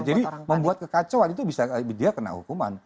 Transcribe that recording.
jadi membuat kekacauan itu bisa dia kena hukuman